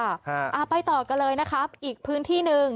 อ่าไปต่อกันเลยนะครับอีกพื้นที่หนึ่ง